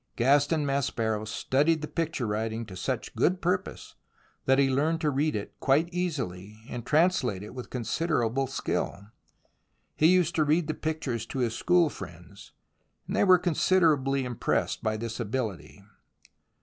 Gaston Maspero studied the picture writing to such good purpose that he learned to read it quite easily and translate it with considerable skill. He used to read the pictures to his school friends, and they were considerably impressed by this ability.